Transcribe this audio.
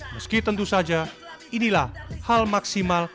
meski tentu saja inilah hal maksimal